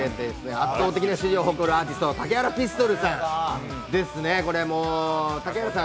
圧倒的な支持を誇るアーティスト竹原ピストルさんですね、竹原さん